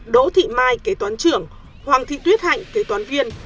đỗ thị mai kế toán trưởng hoàng thị tuyết hạnh kế toán viên